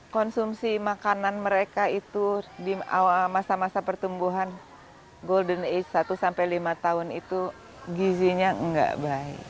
konsumsi makanan mereka itu di awal masa masa pertumbuhan golden age satu sampai lima tahun itu gizinya nggak baik